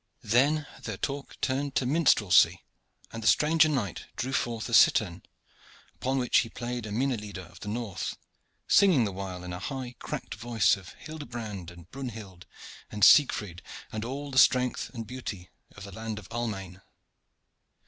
Then their talk turned to minstrelsy, and the stranger knight drew forth a cittern, upon which he played the minne lieder of the north, singing the while in a high cracked voice of Hildebrand and Brunhild and Siegfried, and all the strength and beauty of the land of Almain.